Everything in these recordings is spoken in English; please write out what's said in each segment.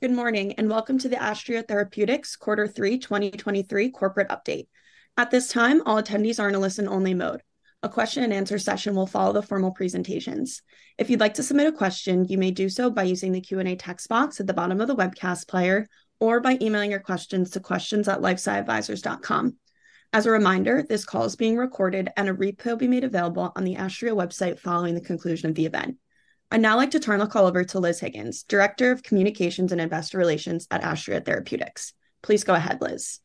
Good morning, and welcome to the Astria Therapeutics Quarter 3 2023 corporate update. At this time, all attendees are in a listen-only mode. A question and answer session will follow the formal presentations. If you'd like to submit a question, you may do so by using the Q&A text box at the bottom of the webcast player or by emailing your questions to questions@lifesciadvisors.com. As a reminder, this call is being recorded, and a replay will be made available on the Astria website following the conclusion of the event. I'd now like to turn the call over to Liz Higgins, Director of Communications and Investor Relations at Astria Therapeutics. Please go ahead, Liz.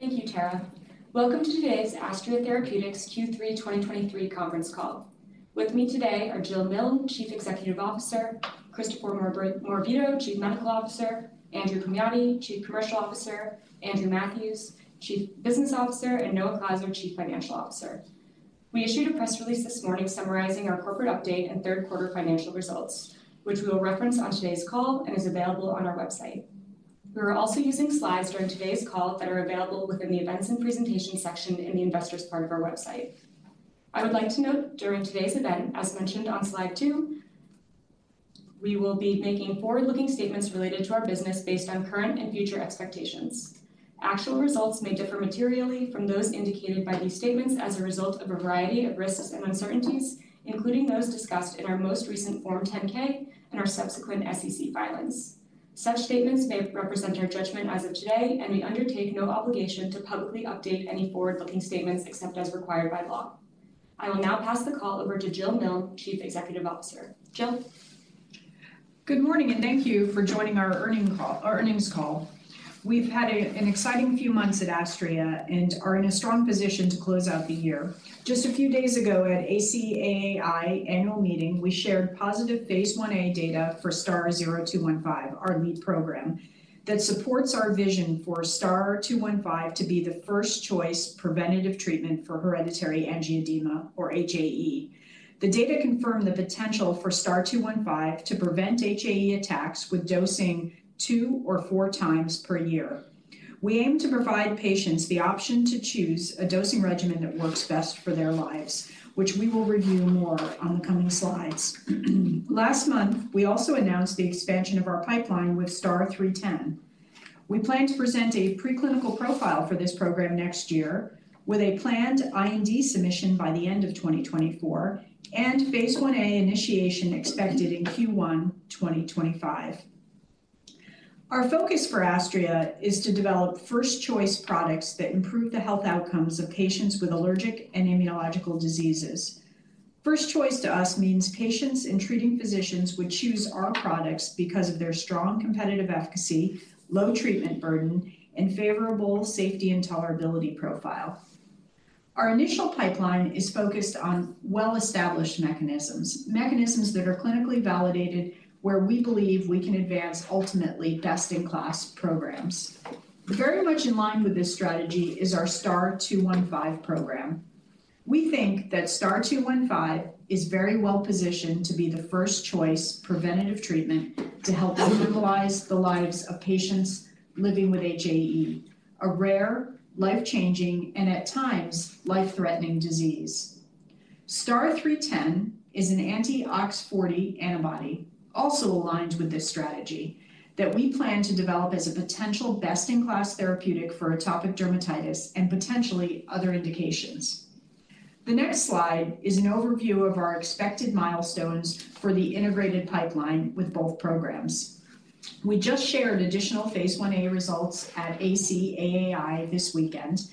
Thank you, Tara. Welcome to today's Astria Therapeutics Q3 2023 conference call. With me today are Jill Milne, Chief Executive Officer; Christopher Morabito, Chief Medical Officer; Andrew Komjathy, Chief Commercial Officer; Andrea Matthews, Chief Business Officer; and Noah Clauser, Chief Financial Officer. We issued a press release this morning summarizing our corporate update and third quarter financial results, which we will reference on today's call and is available on our website. We are also using slides during today's call that are available within the Events and Presentation section in the Investors part of our website. I would like to note during today's event, as mentioned on slide two, we will be making forward-looking statements related to our business based on current and future expectations. Actual results may differ materially from those indicated by these statements as a result of a variety of risks and uncertainties, including those discussed in our most recent Form 10-K and our subsequent SEC filings. Such statements may represent our judgment as of today, and we undertake no obligation to publicly update any forward-looking statements except as required by law. I will now pass the call over to Jill Milne, Chief Executive Officer. Jill? Good morning, and thank you for joining our earnings call. We've had an exciting few months at Astria and are in a strong position to close out the year. Just a few days ago at ACAAI Annual Meeting, we shared positive phase I-A data for STAR-0215, our lead program, that supports our vision for STAR-0215 to be the first-choice preventative treatment for hereditary angioedema, or HAE. The data confirmed the potential for STAR-0215 to prevent HAE attacks with dosing 2 or 4 times per year. We aim to provide patients the option to choose a dosing regimen that works best for their lives, which we will review more on the coming slides. Last month, we also announced the expansion of our pipeline with STAR-0310. We plan to present a preclinical profile for this program next year, with a planned IND submission by the end of 2024 and phase I-A initiation expected in Q1 2025. Our focus for Astria is to develop first-choice products that improve the health outcomes of patients with allergic and immunological diseases. First choice to us means patients and treating physicians would choose our products because of their strong competitive efficacy, low treatment burden, and favorable safety and tolerability profile. Our initial pipeline is focused on well-established mechanisms, mechanisms that are clinically validated, where we believe we can advance ultimately best-in-class programs. Very much in line with this strategy is our STAR-0215 program. We think that STAR-0215 is very well-positioned to be the first-choice preventative treatment to help optimize the lives of patients living with HAE, a rare, life-changing, and at times, life-threatening disease. STAR-0310 is an anti-OX40 antibody, also aligned with this strategy, that we plan to develop as a potential best-in-class therapeutic for atopic dermatitis and potentially other indications. The next slide is an overview of our expected milestones for the integrated pipeline with both programs. We just shared additional phase I-A results at ACAAI this weekend,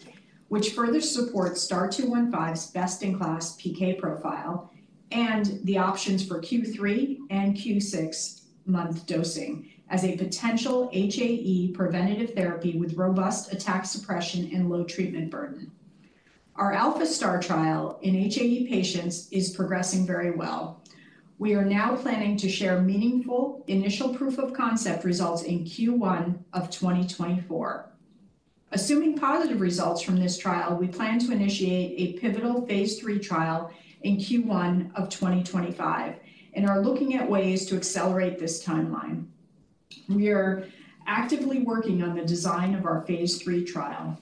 which further support STAR-0215's best-in-class PK profile and the options for Q3 and Q6-month dosing as a potential HAE preventative therapy with robust attack suppression and low treatment burden. Our ALPHA-STAR trial in HAE patients is progressing very well. We are now planning to share meaningful initial proof of concept results in Q1 of 2024. Assuming positive results from this trial, we plan to initiate a pivotal phase III trial in Q1 of 2025 and are looking at ways to accelerate this timeline. We are actively working on the design of our phase III trial.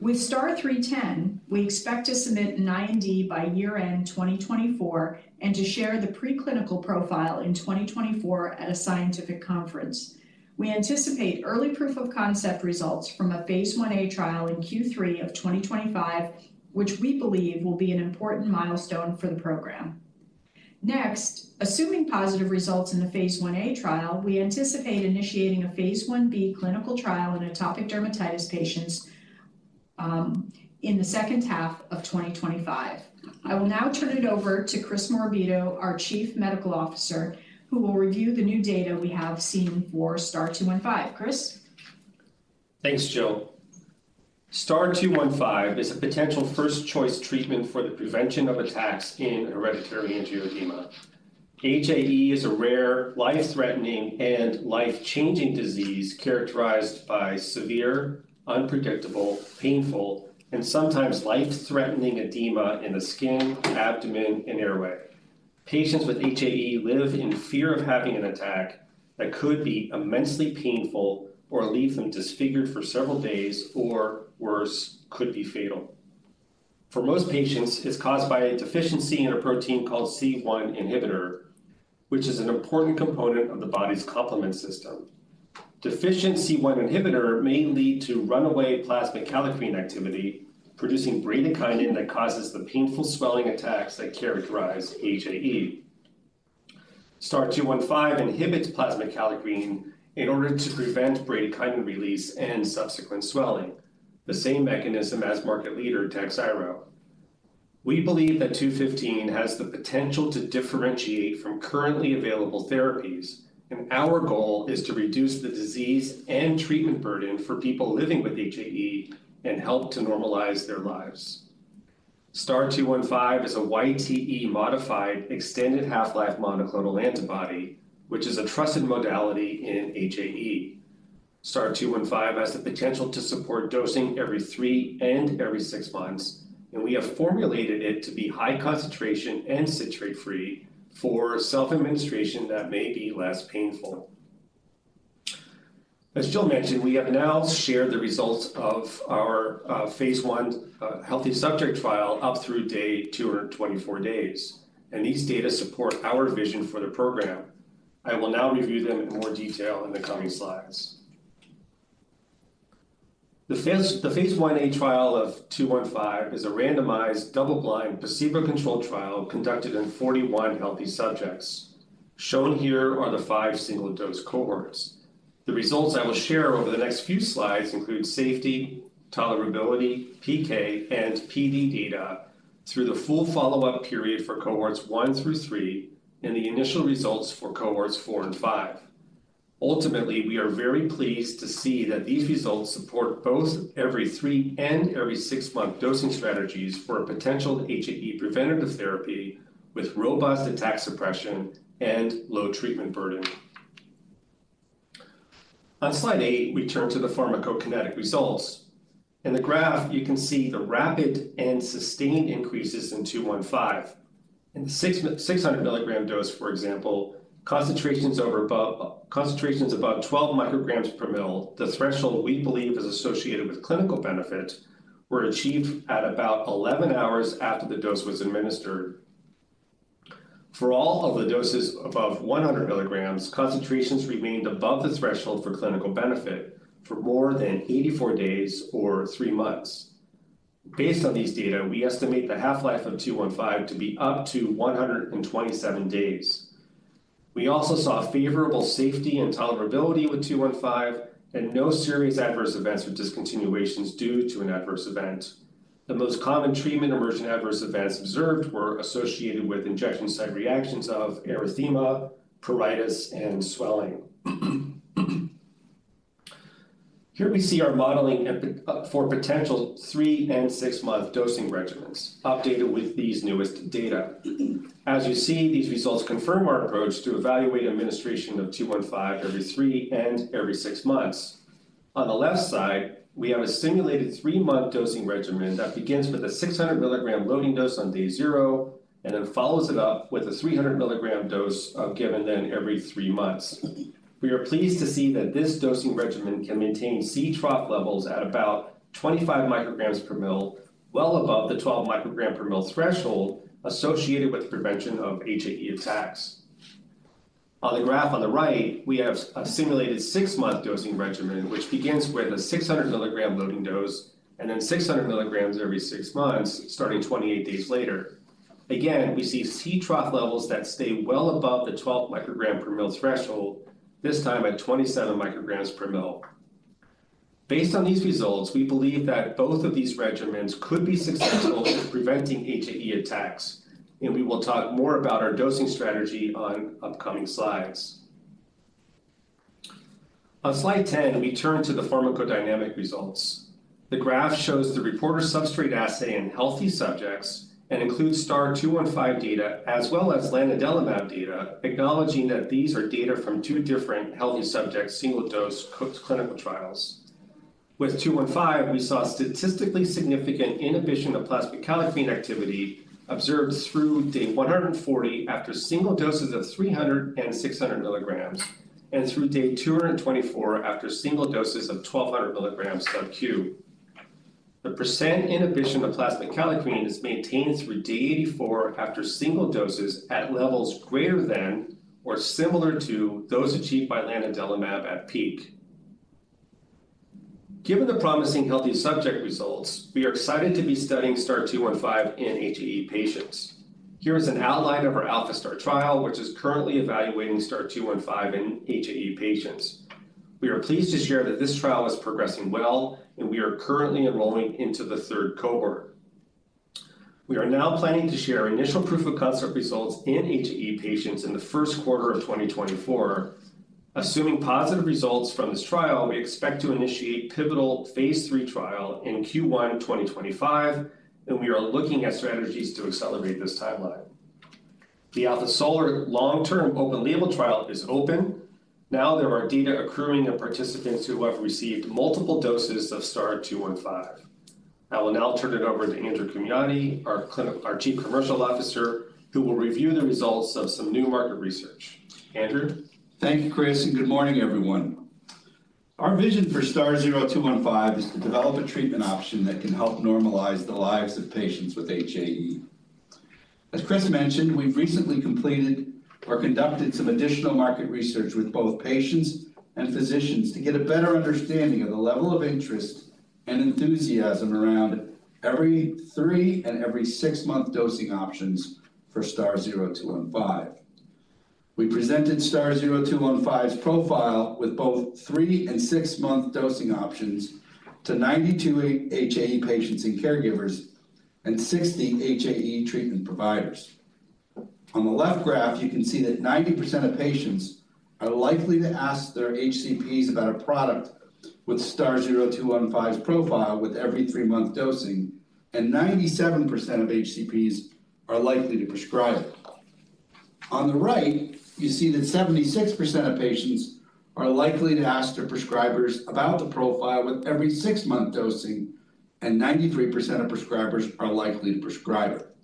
With STAR-0310, we expect to submit an IND by year-end 2024 and to share the preclinical profile in 2024 at a scientific conference. We anticipate early proof of concept results from a phase I-A trial in Q3 of 2025, which we believe will be an important milestone for the program. Next, assuming positive results in the phase I-A trial, we anticipate initiating a phase I-B clinical trial in atopic dermatitis patients, in the second half of 2025. I will now turn it over to Chris Morabito, our Chief Medical Officer, who will review the new data we have seen for STAR-0215. Chris? Thanks, Jill. STAR-0215 is a potential first-choice treatment for the prevention of attacks in hereditary angioedema. HAE is a rare, life-threatening, and life-changing disease characterized by severe, unpredictable, painful, and sometimes life-threatening edema in the skin, abdomen, and airway. Patients with HAE live in fear of having an attack that could be immensely painful or leave them disfigured for several days, or worse, could be fatal. For most patients, it's caused by a deficiency in a protein called C1 inhibitor, which is an important component of the body's complement system. Deficient C1 inhibitor may lead to runaway plasma kallikrein activity, producing bradykinin that causes the painful swelling attacks that characterize HAE. STAR-0215 inhibits plasma kallikrein in order to prevent bradykinin release and subsequent swelling, the same mechanism as market leader, TAKHZYRO. We believe that two fifteen has the potential to differentiate from currently available therapies, and our goal is to reduce the disease and treatment burden for people living with HAE and help to normalize their lives. STAR-0215 is a YTE-modified, extended half-life monoclonal antibody, which is a trusted modality in HAE. STAR-0215 has the potential to support dosing every three and every six months, and we have formulated it to be high concentration and citrate-free for self-administration that may be less painful. As Jill mentioned, we have now shared the results of our phase I healthy subject trial up through day 224, and these data support our vision for the program. I will now review them in more detail in the coming slides. The phase I-A trial of STAR-0215 is a randomized, double-blind, placebo-controlled trial conducted in 41 healthy subjects. Shown here are the 5 single-dose cohorts. The results I will share over the next few slides include safety, tolerability, PK, and PD data through the full follow-up period for cohorts 1 through 3, and the initial results for cohorts 4 and 5. Ultimately, we are very pleased to see that these results support both every three- and six-month dosing strategies for a potential HAE preventative therapy with robust attack suppression and low treatment burden. On slide eight, we turn to the pharmacokinetic results. In the graph, you can see the rapid and sustained increases in STAR-0215. In the 600 mg dose, for example, concentrations above 12 micrograms per mL, the threshold we believe is associated with clinical benefit, were achieved at about 11 hours after the dose was administered. For all of the doses above 100 milligrams, concentrations remained above the threshold for clinical benefit for more than 84 days or three months. Based on these data, we estimate the half-life of STAR-0215 to be up to 127 days. We also saw a favorable safety and tolerability with STAR-0215, and no serious adverse events or discontinuations due to an adverse event. The most common treatment-emergent adverse events observed were associated with injection site reactions of erythema, pruritus, and swelling. Here we see our modeling for potential three- and six-month dosing regimens, updated with these newest data. As you see, these results confirm our approach to evaluate administration of STAR-0215 every three and every six months. On the left side, we have a simulated three-month dosing regimen that begins with a 600 mg loading dose on day zero, and then follows it up with a 300 mg dose given then every three months. We are pleased to see that this dosing regimen can maintain C trough levels at about 25 micrograms per mL, well above the 12 microgram per mL threshold associated with prevention of HAE attacks. On the graph on the right, we have a simulated 6-month dosing regimen, which begins with a 600 milligram loading dose and then 600 mg every six months, starting 28 days later. Again, we see C trough levels that stay well above the 12 microgram per mL threshold, this time at 27 micrograms per mL. Based on these results, we believe that both of these regimens could be successful in preventing HAE attacks, and we will talk more about our dosing strategy on upcoming slides. On slide 10, we turn to the pharmacodynamic results. The graph shows the reporter substrate assay in healthy subjects and includes STAR-0215 data, as well as lanadelumab data, acknowledging that these are data from two different healthy subjects, single-dose clinical trials. With 0215, we saw statistically significant inhibition of plasma kallikrein activity observed through day 140 after single doses of 300 mg and 600 mg, and through day 224 after single doses of 1,200 mg of Q. The percent inhibition of plasma kallikrein is maintained through day 84 after single doses at levels greater than or similar to those achieved by lanadelumab at peak. Given the promising healthy subject results, we are excited to be studying STAR-0215 in HAE patients. Here is an outline of our ALPHA-STAR trial, which is currently evaluating STAR-0215 in HAE patients. We are pleased to share that this trial is progressing well, and we are currently enrolling into the third cohort. We are now planning to share initial proof of concept results in HAE patients in the first quarter of 2024. Assuming positive results from this trial, we expect to initiate pivotal phase III trial in Q1 2025, and we are looking at strategies to accelerate this timeline. The ALPHA-SOLAR long-term open-label trial is open. Now, there are data accruing of participants who have received multiple doses of STAR-0215. I will now turn it over to Andrew Komjathy, our Chief Commercial Officer, who will review the results of some new market research. Andrew? Thank you, Chris, and good morning, everyone. Our vision for STAR-0215 is to develop a treatment option that can help normalize the lives of patients with HAE. As Chris mentioned, we've recently completed or conducted some additional market research with both patients and physicians to get a better understanding of the level of interest and enthusiasm around every three and every six-month dosing options for STAR-0215. We presented STAR-0215's profile with both three and six-month dosing options to 92 HAE patients and caregivers, and 60 HAE treatment providers. On the left graph, you can see that 90% of patients are likely to ask their HCPs about a product with STAR-0215's profile with every three-month dosing, and 97% of HCPs are likely to prescribe it. On the right, you see that 76% of patients are likely to ask their prescribers about the profile with every six-month dosing, and 93% of prescribers are likely to prescribe it.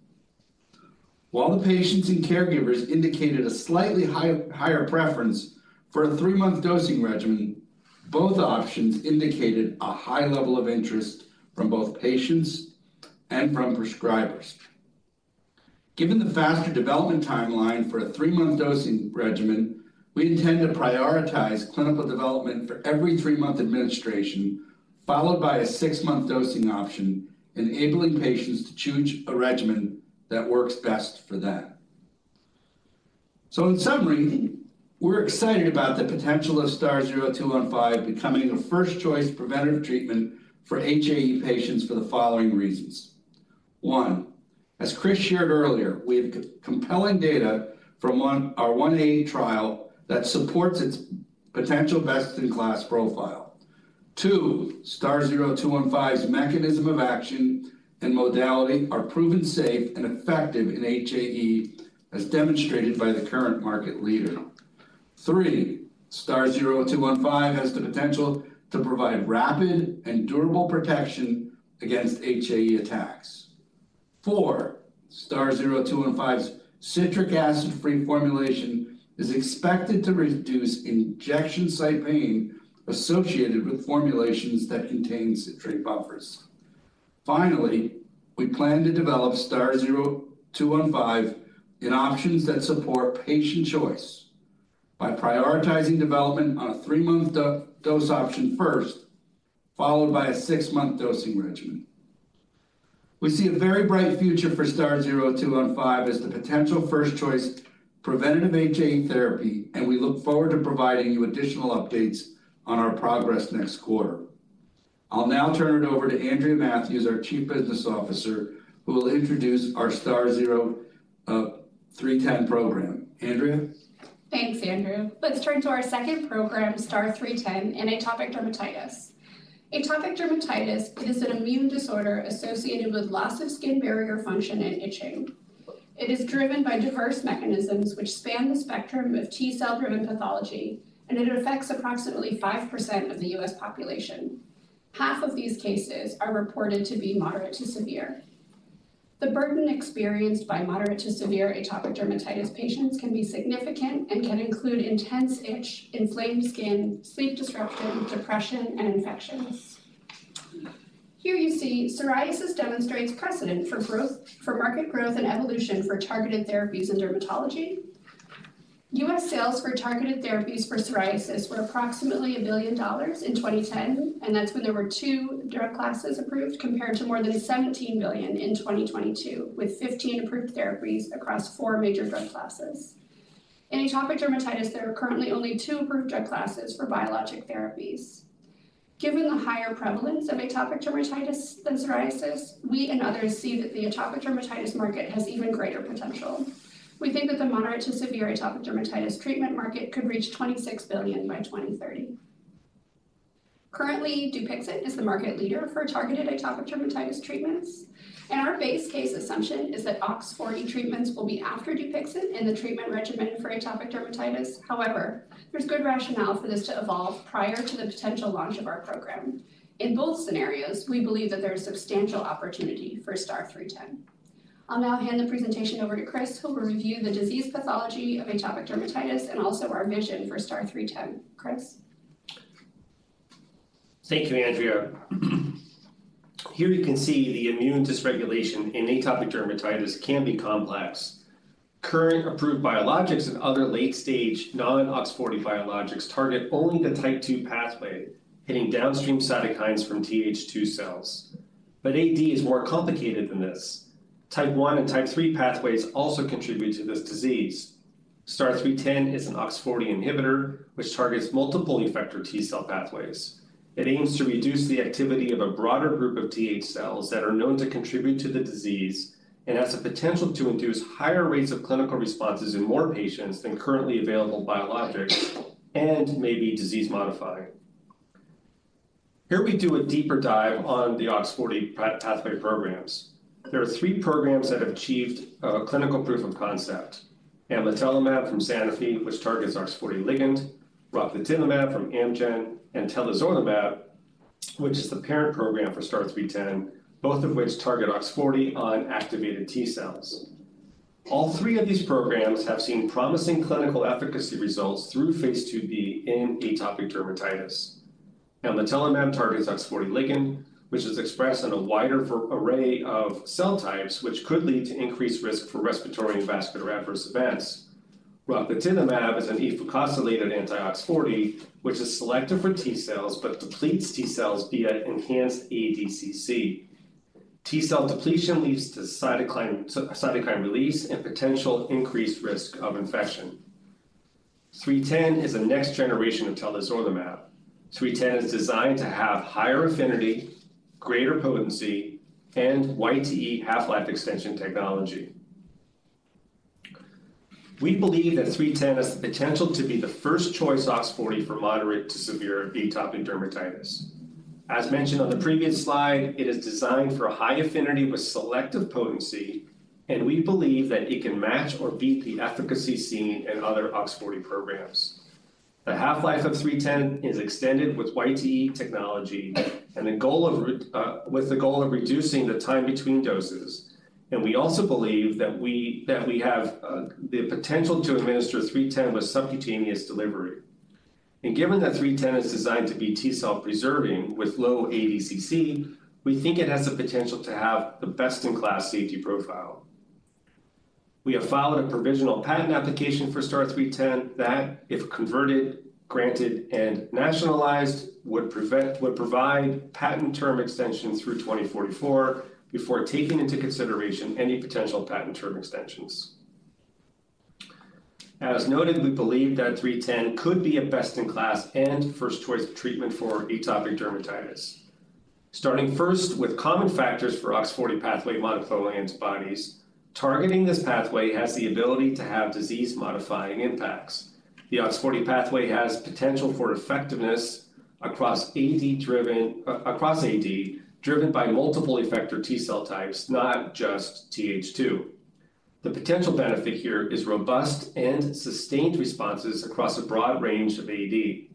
While the patients and caregivers indicated a slightly higher preference for a three-month dosing regimen, both options indicated a high level of interest from both patients and from prescribers. Given the faster development timeline for a three-month dosing regimen, we intend to prioritize clinical development for every three-month administration, followed by a six-month dosing option, enabling patients to choose a regimen that works best for them. In summary, we're excited about the potential of STAR-0215 becoming the first-choice preventative treatment for HAE patients for the following reasons: one, as Chris shared earlier, we have compelling data from our phase I-A trial that supports its potential best-in-class profile. Two, STAR-0215's mechanism of action and modality are proven safe and effective in HAE, as demonstrated by the current market leader. Three, STAR-0215 has the potential to provide rapid and durable protection against HAE attacks. Four, STAR-0215's citric acid-free formulation is expected to reduce injection site pain associated with formulations that contain citric buffers. Finally, we plan to develop STAR-0215 in options that support patient choice by prioritizing development on a three-month dose option first, followed by a six-month dosing regimen. We see a very bright future for STAR-0215 as the potential first-choice preventative HAE therapy, and we look forward to providing you additional updates on our progress next quarter. I'll now turn it over to Andrea Matthews, our Chief Business Officer, who will introduce our STAR-0310 program. Andrea? Thanks, Andrew. Let's turn to our second program, STAR-0310, in atopic dermatitis. Atopic dermatitis is an immune disorder associated with loss of skin barrier function and itching. It is driven by diverse mechanisms which span the spectrum of T-cell-driven pathology, and it affects approximately 5% of the U.S. population. Half of these cases are reported to be moderate to severe. The burden experienced by moderate to severe atopic dermatitis patients can be significant and can include intense itch, inflamed skin, sleep disruption, depression, and infections. Here, you see psoriasis demonstrates precedent for growth, for market growth and evolution for targeted therapies in dermatology. U.S. sales for targeted therapies for psoriasis were approximately $1 billion in 2010, and that's when there were two drug classes approved, compared to more than $17 billion in 2022, with 15 approved therapies across four major drug classes. In atopic dermatitis, there are currently only two approved drug classes for biologic therapies. Given the higher prevalence of atopic dermatitis than psoriasis, we and others see that the atopic dermatitis market has even greater potential. We think that the moderate to severe atopic dermatitis treatment market could reach $26 billion by 2030. Currently, Dupixent is the market leader for targeted atopic dermatitis treatments, and our base case assumption is that OX40 treatments will be after Dupixent in the treatment regimen for atopic dermatitis. However, there's good rationale for this to evolve prior to the potential launch of our program. In both scenarios, we believe that there is substantial opportunity for STAR-0310. I'll now hand the presentation over to Chris, who will review the disease pathology of atopic dermatitis and also our vision for STAR-0310. Chris? Thank you, Andrea. Here you can see the immune dysregulation in atopic dermatitis can be complex. Current approved biologics and other late-stage non-OX40 biologics target only the type two pathway, hitting downstream cytokines from TH2 cells. But AD is more complicated than this. Type one and type three pathways also contribute to this disease. STAR-0310 is an OX40 inhibitor, which targets multiple effector T-cell pathways. It aims to reduce the activity of a broader group of TH cells that are known to contribute to the disease and has the potential to induce higher rates of clinical responses in more patients than currently available biologics and may be disease-modifying. Here we do a deeper dive on the OX40 pathway programs. There are three programs that have achieved clinical proof of concept. Amlitelimab from Sanofi, which targets OX40 ligand, rocatinlimab from Amgen, and telazorlimab, which is the parent program for STAR-0310, both of which target OX40 on activated T-cells. All three of these programs have seen promising clinical efficacy results through phase II-B in atopic dermatitis. Amlitelimab targets OX40 ligand, which is expressed in a wider variety of cell types, which could lead to increased risk for respiratory and vascular adverse events. Rocatinlimab is an efucosylated anti-OX40, which is selective for T-cells but depletes T-cells via enhanced ADCC. T-ell depletion leads to cytokine release and potential increased risk of infection. STAR-0310 is a next generation of telazorlimab. STAR-0310 is designed to have higher affinity, greater potency, and YTE half-life extension technology. We believe that STAR-0310 has the potential to be the first-choice OX40 for moderate to severe atopic dermatitis. As mentioned on the previous slide, it is designed for high affinity with selective potency, and we believe that it can match or beat the efficacy seen in other OX40 programs. The half-life of STAR-0310 is extended with YTE technology, with the goal of reducing the time between doses. We also believe that we have the potential to administer STAR-0310 with subcutaneous delivery. Given that STAR-0310 is designed to be T-cell preserving with low ADCC, we think it has the potential to have the best-in-class safety profile. We have filed a provisional patent application for STAR-0310 that, if converted, granted, and nationalized, would provide patent term extension through 2044 before taking into consideration any potential patent term extensions. As noted, we believe that STAR-0310 could be a best-in-class and first-choice treatment for atopic dermatitis. Starting first with common factors for OX40 pathway monoclonal antibodies, targeting this pathway has the ability to have disease-modifying impacts. The OX40 pathway has potential for effectiveness across AD driven across AD, driven by multiple effector T-cell types, not just TH2. The potential benefit here is robust and sustained responses across a broad range of AD.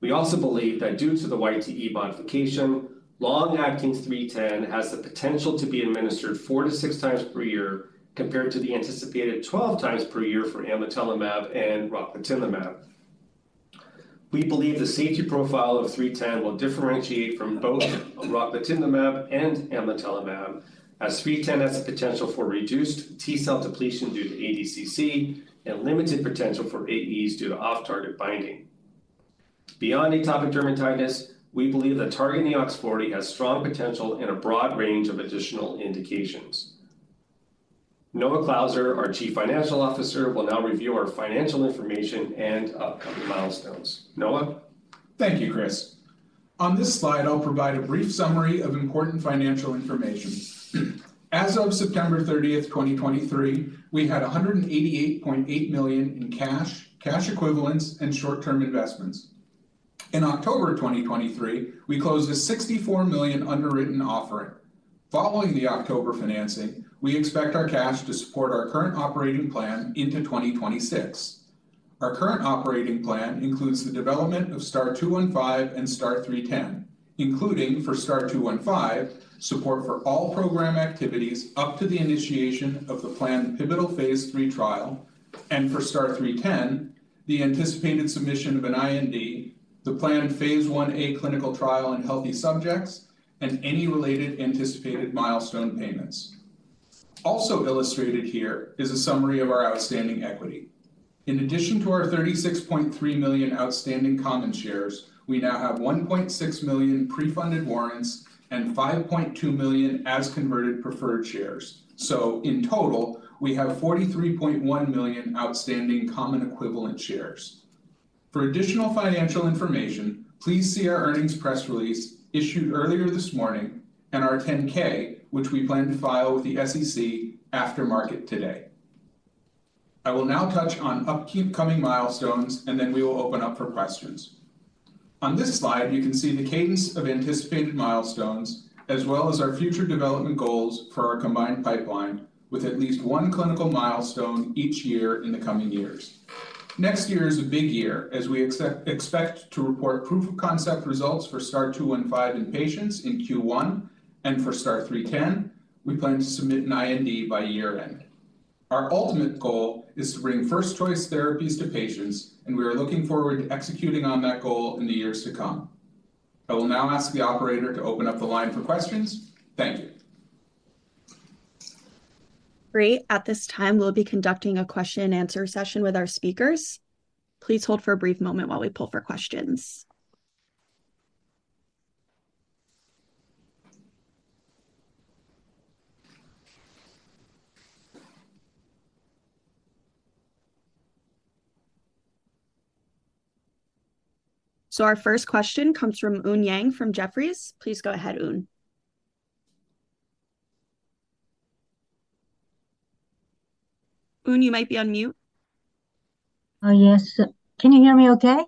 We also believe that due to the YTE modification, long-acting STAR-0310 has the potential to be administered 4-6 times per year, compared to the anticipated 12 times per year for amlitelimab and rocatinlimab. We believe the safety profile of STAR-0310 will differentiate from both rocatinlimab and amlitelimab, as STAR-0310 has the potential for reduced T-cell depletion due to ADCC and limited potential for AEs due to off-target binding. Beyond atopic dermatitis, we believe that targeting the OX40 has strong potential in a broad range of additional indications. Noah Clauser, our Chief Financial Officer, will now review our financial information and upcoming milestones. Noah? Thank you, Chris. On this slide, I'll provide a brief summary of important financial information. As of September 30, 2023, we had $188.8 million in cash, cash equivalents, and short-term investments. In October 2023, we closed a $64 million underwritten offering. Following the October financing, we expect our cash to support our current operating plan into 2026. Our current operating plan includes the development of STAR-0215 and STAR-0310, including, for STAR-0215, support for all program activities up to the initiation of the planned pivotal phase III trial, and for STAR-0310, the anticipated submission of an IND, the planned phase I-A clinical trial in healthy subjects, and any related anticipated milestone payments. Also illustrated here is a summary of our outstanding equity. In addition to our 36.3 million outstanding common shares, we now have 1.6 million pre-funded warrants and 5.2 million as converted preferred shares. So in total, we have 43.1 million outstanding common equivalent shares. For additional financial information, please see our earnings press release issued earlier this morning and our 10-K, which we plan to file with the SEC after market today. I will now touch on upcoming milestones, and then we will open up for questions. On this slide, you can see the cadence of anticipated milestones, as well as our future development goals for our combined pipeline, with at least one clinical milestone each year in the coming years. Next year is a big year, as we expect to report proof-of-concept results for STAR-0215 in patients in Q1, and for STAR-0310, we plan to submit an IND by year-end. Our ultimate goal is to bring first-choice therapies to patients, and we are looking forward to executing on that goal in the years to come. I will now ask the operator to open up the line for questions. Thank you. Great. At this time, we'll be conducting a question and answer session with our speakers. Please hold for a brief moment while we pull for questions. So our first question comes from Eun Yang from Jefferies. Please go ahead, Eun. Eun, you might be on mute. Oh, yes. Can you hear me okay?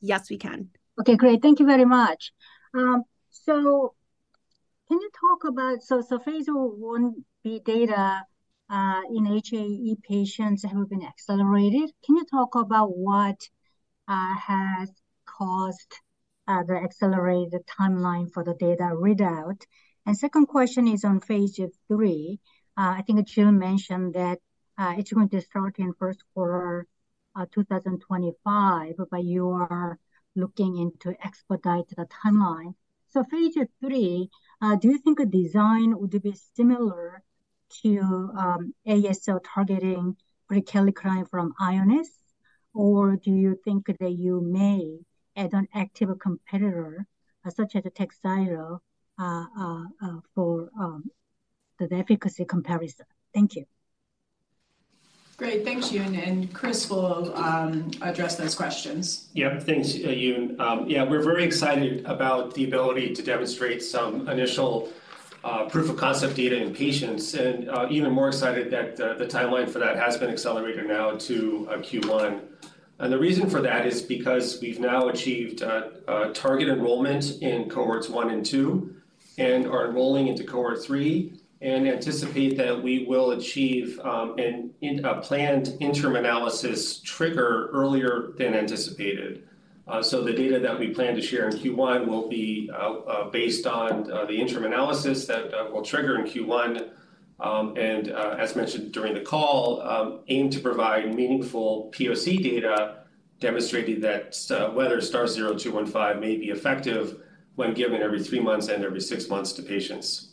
Yes, we can. Okay, great. Thank you very much. So can you talk about so phase I-B data in HAE patients have been accelerated. Can you talk about what has caused the accelerated timeline for the data readout? And second question is on phase III. I think Jill mentioned that it's going to start in first quarter 2025, but you are looking into expedite the timeline. So phase III do you think a design would be similar to ASO targeting prekallikrein from Ionis? Or do you think that you may add an active competitor, such as the TAKHZYRO for the efficacy comparison? Thank you. Great. Thanks, Eun, and Chris will address those questions. Yep. Thanks, Eun. Yeah, we're very excited about the ability to demonstrate some initial proof of concept data in patients, and even more excited that the timeline for that has been accelerated now to Q1. And the reason for that is because we've now achieved a target enrollment in cohorts one and two, and are enrolling into cohort three, and anticipate that we will achieve a planned interim analysis trigger earlier than anticipated. So the data that we plan to share in Q1 will be based on the interim analysis that will trigger in Q1, and as mentioned during the call, aim to provide meaningful POC data demonstrating that whether STAR-0215 may be effective when given every three months and every six months to patients.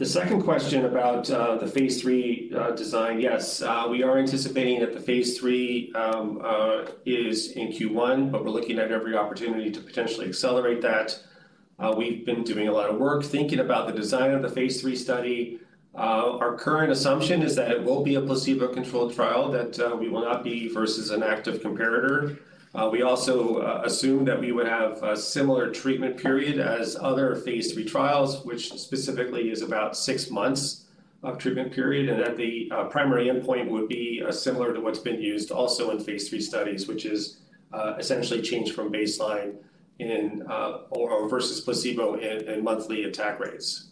The second question about the phase III design, yes, we are anticipating that the phase III is in Q1, but we're looking at every opportunity to potentially accelerate that. We've been doing a lot of work thinking about the design of the phase III study. Our current assumption is that it will be a placebo-controlled trial, that we will not be versus an active comparator. We also assume that we would have a similar treatment period as other phase III trials, which specifically is about six months of treatment period, and that the primary endpoint would be similar to what's been used also in phase III studies, which is essentially changed from baseline versus placebo in monthly attack rates.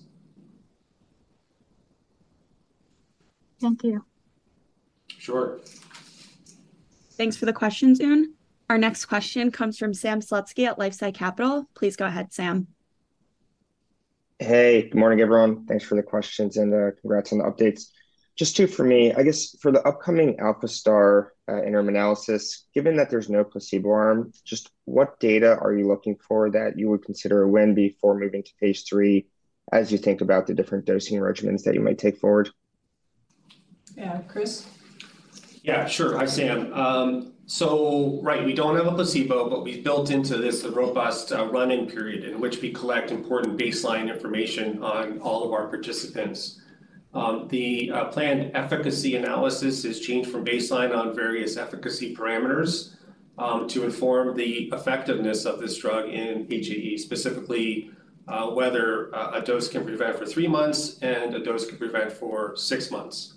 Thank you. Sure. Thanks for the question, Yoon. Our next question comes from Sam Slutsky at LifeSci Capital. Please go ahead, Sam. Hey, good morning, everyone. Thanks for the questions, and congrats on the updates. Just two for me. I guess for the upcoming ALPHA-STAR interim analysis, given that there's no placebo arm, just what data are you looking for that you would consider a win before moving to phase III, as you think about the different dosing regimens that you might take forward? Yeah, Chris? Yeah, sure. Hi, Sam. So right, we don't have a placebo, but we've built into this a robust running period in which we collect important baseline information on all of our participants. The planned efficacy analysis is changed from baseline on various efficacy parameters to inform the effectiveness of this drug in HAE, specifically whether a dose can prevent for three months and a dose can prevent for six months.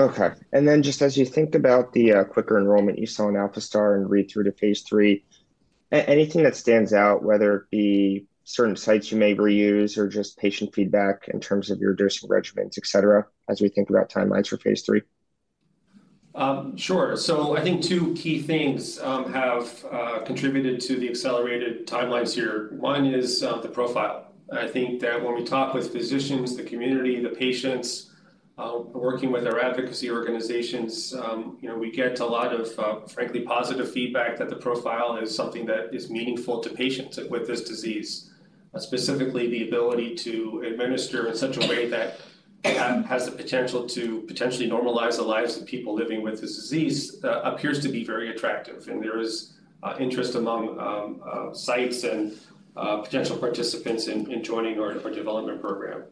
Okay. And then just as you think about the quicker enrollment you saw in ALPHA-STAR and read through to phase III, anything that stands out, whether it be certain sites you may reuse or just patient feedback in terms of your dosing regimens, etc., as we think about timelines for phase III? Sure. So I think two key things have contributed to the accelerated timelines here. One is the profile. I think that when we talk with physicians, the community, the patients, working with our advocacy organizations, you know, we get a lot of frankly positive feedback that the profile is something that is meaningful to patients with this disease. Specifically, the ability to administer in such a way that has the potential to potentially normalize the lives of people living with this disease appears to be very attractive, and there is interest among sites and potential participants in joining our development program.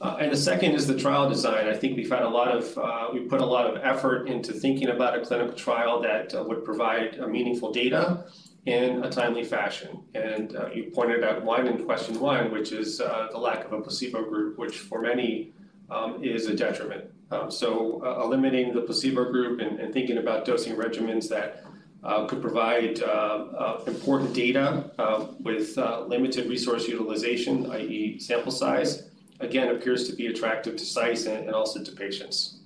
And the second is the trial design. I think we put a lot of effort into thinking about a clinical trial that would provide meaningful data in a timely fashion. And you pointed out one in question one, which is the lack of a placebo group, which for many is a detriment. So eliminating the placebo group and thinking about dosing regimens that could provide important data with limited resource utilization, i.e., sample size, again, appears to be attractive to sites and also to patients.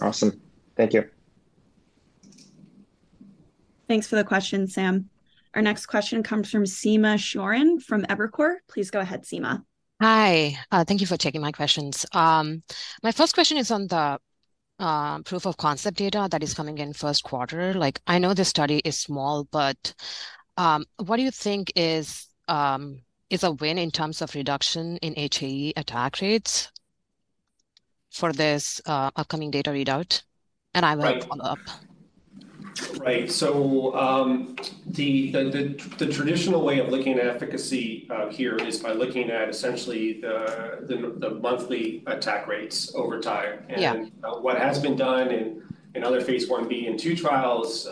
Awesome. Thank you. Thanks for the question, Sam. Our next question comes from Seema Sheoran from Evercore. Please go ahead, Seema. Hi. Thank you for taking my questions. My first question is on the proof of concept data that is coming in first quarter. Like, I know this study is small, but what do you think is a win in terms of reduction in HAE attack rates for this upcoming data readout? Right. I will follow up. Right. So, the traditional way of looking at efficacy here is by looking at essentially the monthly attack rates over time. Yeah. What has been done in other phase I-B and II trials,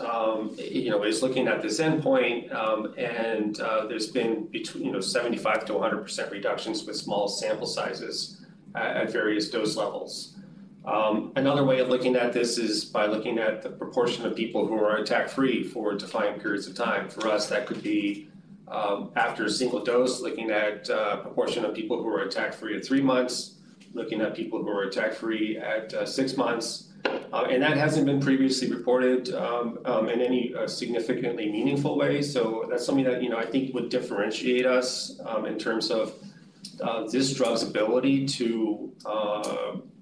you know, is looking at this endpoint, and there's been between, you know, 75%-100% reductions with small sample sizes at various dose levels. Another way of looking at this is by looking at the proportion of people who are attack-free for defined periods of time. For us, that could be after a single dose, looking at proportion of people who are attack-free at three months, looking at people who are attack-free at six months. And that hasn't been previously reported in any significantly meaningful way. So that's something that, you know, I think would differentiate us in terms of this drug's ability to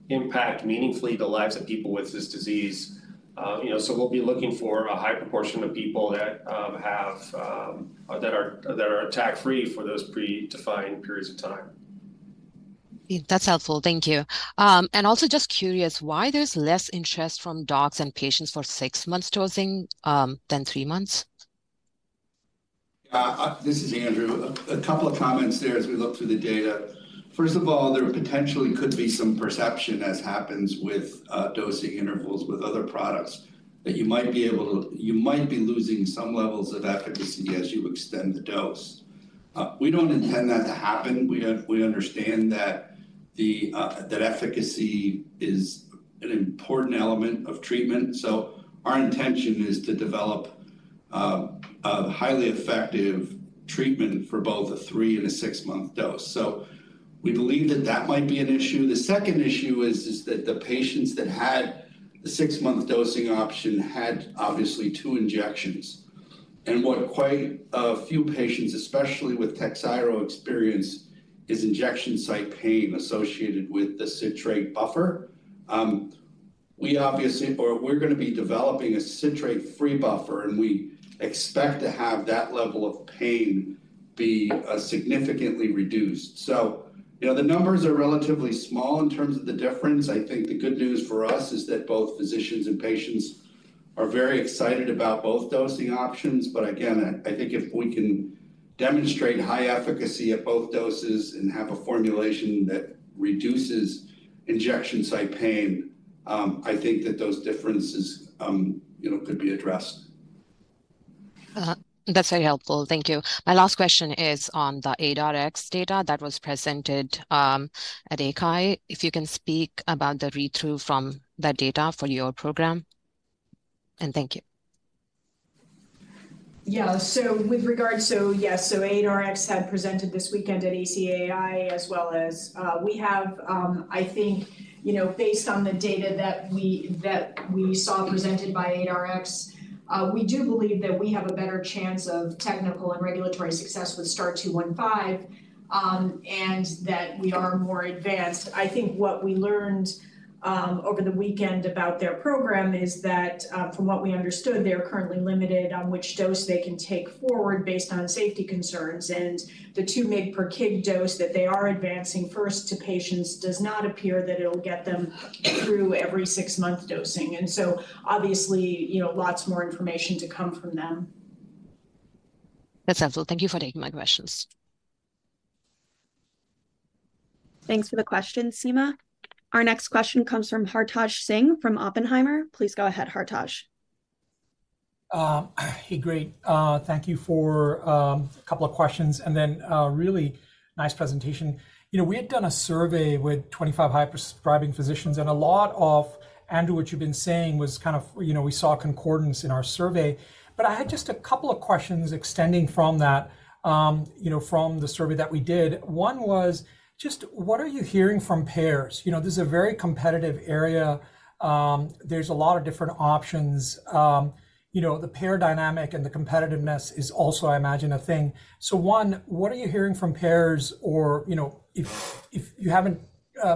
impact meaningfully the lives of people with this disease. You know, so we'll be looking for a high proportion of people that have or that are, that are attack-free for those predefined periods of time. That's helpful. Thank you. And also just curious, why there's less interest from docs and patients for six months dosing, than three months? This is Andrew. A couple of comments there as we look through the data. First of all, there potentially could be some perception, as happens with dosing intervals with other products, that you might be able—you might be losing some levels of efficacy as you extend the dose. We don't intend that to happen. We understand that efficacy is an important element of treatment. So our intention is to develop a highly effective treatment for both a three and a six-month dose. So we believe that that might be an issue. The second issue is that the patients that had the six-month dosing option had obviously two injections. And what quite a few patients, especially with TAKHZYRO, experience, is injection site pain associated with the citrate buffer. We're gonna be developing a citrate-free buffer, and we expect to have that level of pain be significantly reduced. So, you know, the numbers are relatively small in terms of the difference. I think the good news for us is that both physicians and patients are very excited about both dosing options. But again, I think if we can demonstrate high efficacy at both doses and have a formulation that reduces injection site pain, I think that those differences, you know, could be addressed. That's very helpful. Thank you. My last question is on the ADARx data that was presented at ACAAI. If you can speak about the read-through from that data for your program? And thank you. Yeah. So yes, so ADARX had presented this weekend at ACAAI, as well as, we have, I think, you know, based on the data that we, that we saw presented by ADARx, we do believe that we have a better chance of technical and regulatory success with STAR-0215, and that we are more advanced. I think what we learned over the weekend about their program is that, from what we understood, they are currently limited on which dose they can take forward based on safety concerns. And the 2 mg per kg dose that they are advancing first to patients does not appear that it'll get them through every six-month dosing. And so obviously, you know, lots more information to come from them. That's helpful. Thank you for taking my questions. Thanks for the question, Seema. Our next question comes from Hartaj Singh from Oppenheimer. Please go ahead, Hartaj. Hey, great. Thank you for a couple of questions, and then really nice presentation. You know, we had done a survey with 25 high prescribing physicians, and a lot of, Andrew, what you've been saying was kind of... You know, we saw concordance in our survey. But I had just a couple of questions extending from that, you know, from the survey that we did. One was, just what are you hearing from payers? You know, this is a very competitive area. There's a lot of different options. You know, the payer dynamic and the competitiveness is also, I imagine, a thing. So one, what are you hearing from payers? Or, you know, if you haven't,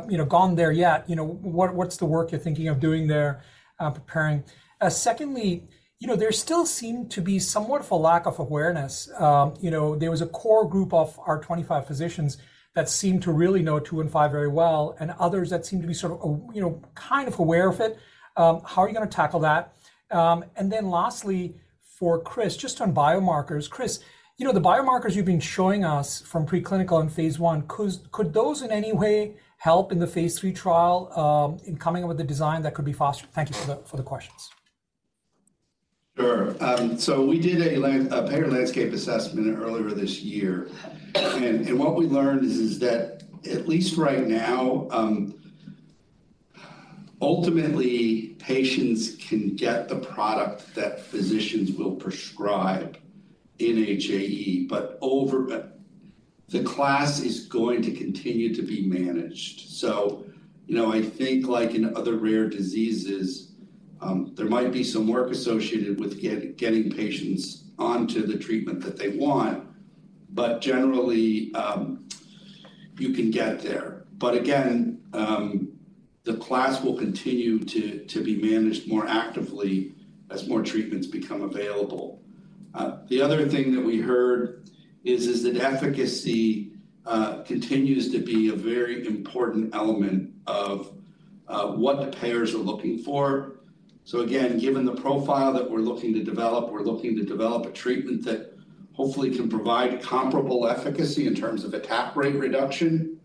you know, gone there yet, you know, what's the work you're thinking of doing there, preparing? Secondly, you know, there still seem to be somewhat of a lack of awareness. You know, there was a core group of our 25 physicians that seemed to really know two and five very well, and others that seemed to be sort of, you know, kind of aware of it. How are you gonna tackle that? And then lastly, for Chris, just on biomarkers. Chris, you know, the biomarkers you've been showing us from preclinical and phase I, could, could those in any way help in the phase III trial, in coming up with a design that could be faster? Thank you for the questions. Sure. So we did a payer landscape assessment earlier this year. And what we learned is that at least right now, ultimately, patients can get the product that physicians will prescribe in HAE, but over the class is going to continue to be managed. So you know, I think like in other rare diseases, there might be some work associated with getting patients onto the treatment that they want, but generally, you can get there. But again, the class will continue to be managed more actively as more treatments become available. The other thing that we heard is that efficacy continues to be a very important element of what the payers are looking for. So again, given the profile that we're looking to develop, we're looking to develop a treatment that hopefully can provide comparable efficacy in terms of attack rate reduction.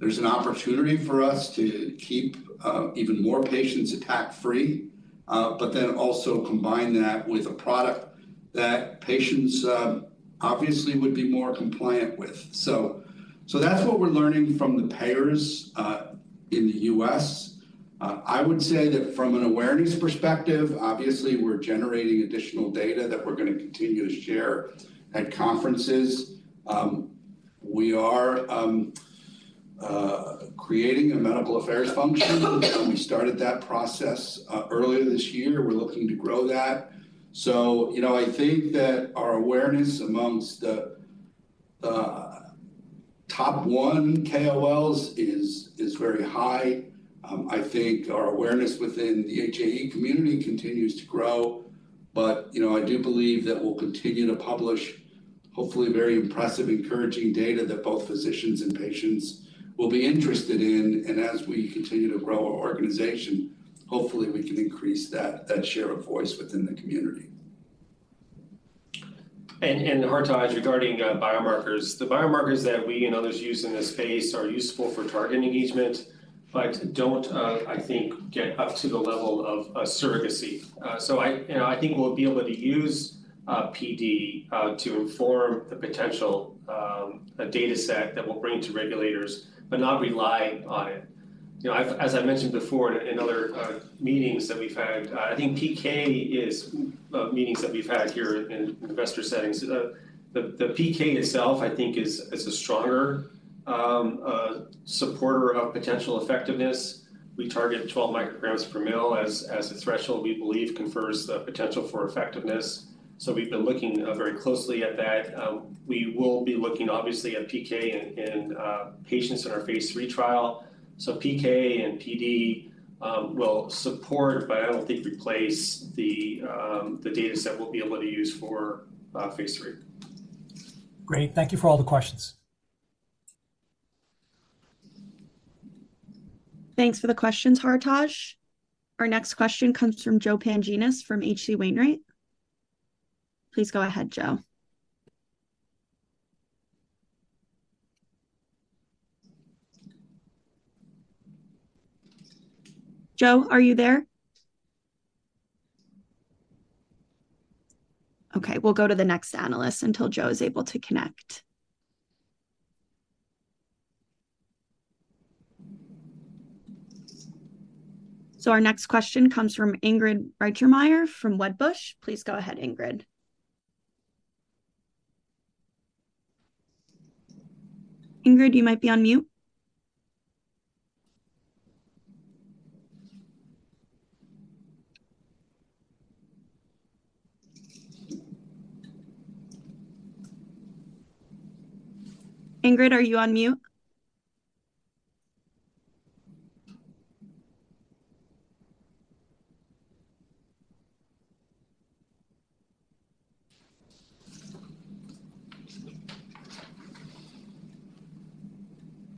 There's an opportunity for us to keep even more patients attack free, but then also combine that with a product that patients obviously would be more compliant with. So that's what we're learning from the payers in the U.S. I would say that from an awareness perspective, obviously, we're generating additional data that we're gonna continue to share at conferences. We are creating a medical affairs function. We started that process earlier this year. We're looking to grow that. So, you know, I think that our awareness amongst the top 100 KOLs is very high. I think our awareness within the HAE community continues to grow, but, you know, I do believe that we'll continue to publish, hopefully, very impressive, encouraging data that both physicians and patients will be interested in. As we continue to grow our organization, hopefully, we can increase that share of voice within the community. Hartaj, regarding biomarkers, the biomarkers that we and others use in this space are useful for targeting engagement, but don't, I think, get up to the level of surrogacy. So I, you know, I think we'll be able to use PD to inform the potential data set that we'll bring to regulators, but not rely on it. You know, as I've mentioned before in other meetings that we've had here in investor settings, the PK itself, I think, is a stronger supporter of potential effectiveness. We target 12 micrograms per mL as a threshold we believe confers the potential for effectiveness. So we've been looking very closely at that. We will be looking, obviously, at PK in patients in our phase III trial. So PK and PD will support, but I don't think replace the dataset we'll be able to use for phase III. Great. Thank you for all the questions. Thanks for the questions, Hartaj. Our next question comes from Joe Pantginis from H.C. Wainwright. Please go ahead, Joe. Joe, are you there? Okay, we'll go to the next analyst until Joe is able to connect. So our next question comes from Ingrid Reichermeyer from Wedbush. Please go ahead, Ingrid. Ingrid, you might be on mute. Ingrid, are you on mute?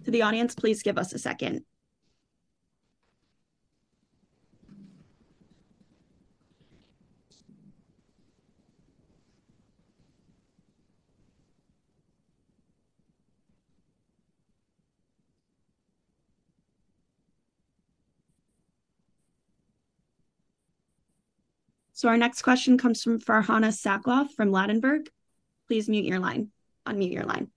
To the audience, please give us a second. So our next question comes from Farhana Sakloth from Ladenburg. Please mute your line. Unmute your line.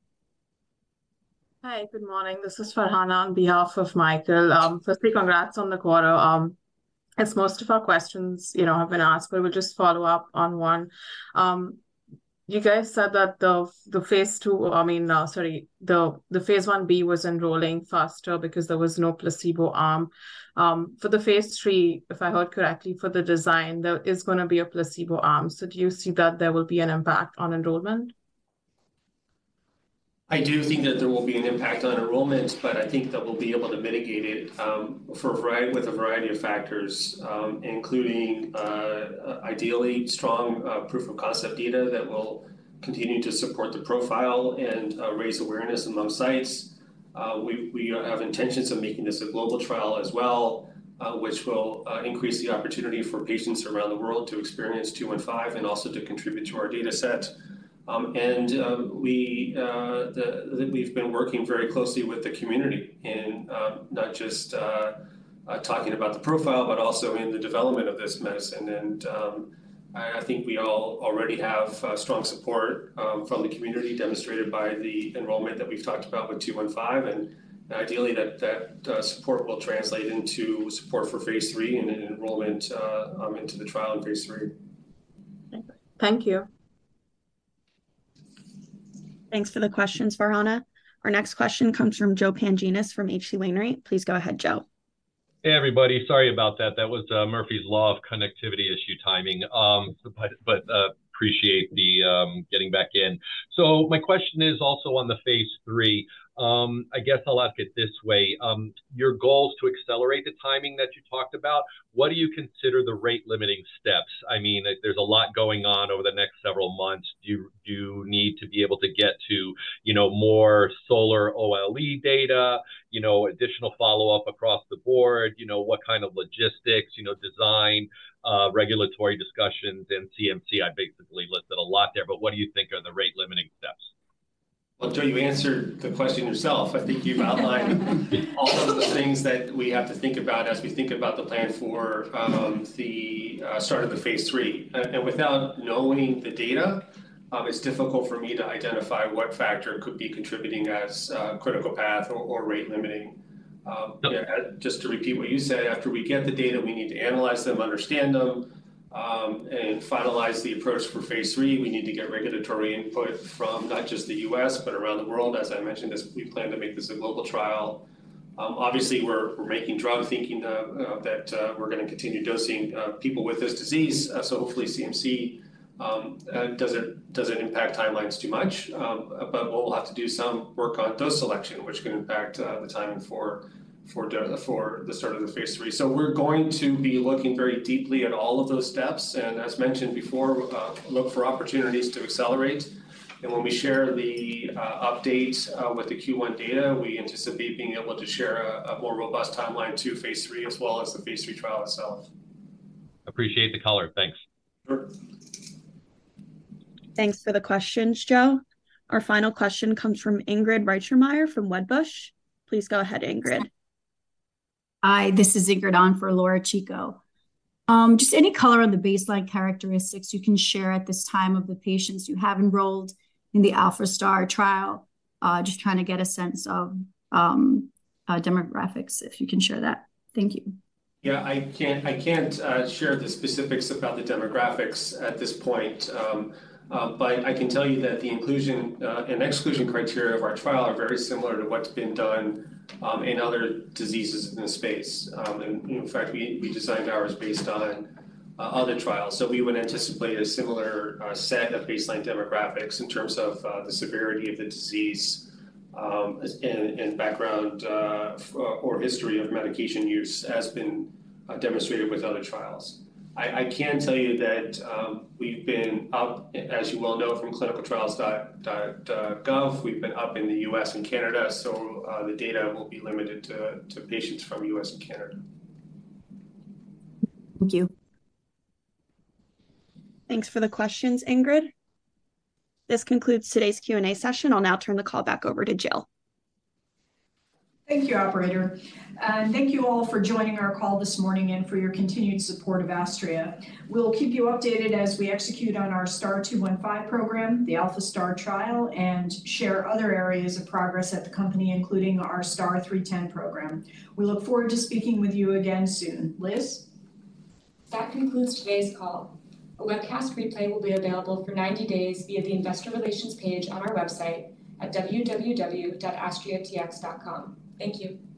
Hi, good morning. This is Farhana on behalf of Michael. First, congrats on the quarter. As most of our questions, you know, have been asked, but we'll just follow up on one. You guys said that the phase II, I mean, sorry, the phase I-B was enrolling faster because there was no placebo arm. For the phase III, if I heard correctly, for the design, there is gonna be a placebo arm. So do you see that there will be an impact on enrollment? I do think that there will be an impact on enrollment, but I think that we'll be able to mitigate it for a variety with a variety of factors, including ideally strong proof-of-concept data that will continue to support the profile and raise awareness among sites. We have intentions of making this a global trial as well, which will increase the opportunity for patients around the world to experience two one five and also to contribute to our dataset. And we've been working very closely with the community in not just talking about the profile, but also in the development of this medicine. I think we all already have strong support from the community, demonstrated by the enrollment that we've talked about with 215, and ideally, that support will translate into support for phase III and enrollment into the trial in phase III. Thank you. Thanks for the questions, Farhana. Our next question comes from Joe Pantginis from H.C. Wainwright. Please go ahead, Joe. Hey, everybody. Sorry about that. That was, Murphy's law of connectivity issue timing. But appreciate the getting back in. So my question is also on the phase III. I guess I'll ask it this way: Your goals to accelerate the timing that you talked about, what do you consider the rate-limiting steps? I mean, there's a lot going on over the next several months. Do you need to be able to get to, you know, more ALPHA-SOLAR data, you know, additional follow-up across the board? You know, what kind of logistics, you know, design, regulatory discussions, and CMC? I basically listed a lot there, but what do you think are the rate-limiting steps? Well, Joe, you answered the question yourself. I think you've outlined all of the things that we have to think about as we think about the plan for the start of the phase III. And without knowing the data, it's difficult for me to identify what factor could be contributing as a critical path or rate-limiting. Yeah, just to repeat what you said, after we get the data, we need to analyze them, understand them, and finalize the approach for phase III. We need to get regulatory input from not just the U.S., but around the world. As I mentioned, this we plan to make this a global trial. Obviously, we're making drug thinking that we're gonna continue dosing people with this disease. So hopefully CMC doesn't impact timelines too much. But we'll have to do some work on dose selection, which can impact the timing for the start of the phase III. So we're going to be looking very deeply at all of those steps, and as mentioned before, look for opportunities to accelerate. When we share the update with the Q1 data, we anticipate being able to share a more robust timeline to phase III as well as the phase III trial itself. Appreciate the color. Thanks. Sure. Thanks for the questions, Joe. Our final question comes from Ingrid Reichermeyer from Wedbush. Please go ahead, Ingrid. Hi, this is Ingrid on for Laura Chico. Just any color on the baseline characteristics you can share at this time of the patients you have enrolled in the ALPHA-STAR trial? Just trying to get a sense of demographics, if you can share that. Thank you. Yeah, I can't share the specifics about the demographics at this point. But I can tell you that the inclusion and exclusion criteria of our trial are very similar to what's been done in other diseases in the space. And in fact, we designed ours based on other trials. So we would anticipate a similar set of baseline demographics in terms of the severity of the disease and background for history of medication use as has been demonstrated with other trials. I can tell you that we've been up, as you well know, from ClinicalTrials.gov, we've been up in the US and Canada, so the data will be limited to patients from U.S. and Canada. Thank you. Thanks for the questions, Ingrid. This concludes today's Q&A session. I'll now turn the call back over to Jill. Thank you, operator, and thank you all for joining our call this morning and for your continued support of Astria. We'll keep you updated as we execute on our STAR-0215 program, the ALPHA-STAR trial, and share other areas of progress at the company, including our STAR-0310 program. We look forward to speaking with you again soon. Liz? That concludes today's call. A webcast replay will be available for 90 days via the Investor Relations page on our website at www.astriatx.com. Thank you.